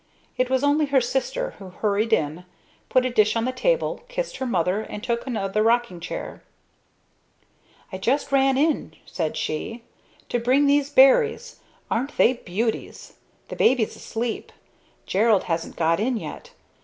It was only her sister, who hurried in, put a dish on the table, kissed her mother and took another rocking chair. "I just ran in," said she, "to bring those berries. Aren't they beauties? The baby's asleep. Gerald hasn't got in yet.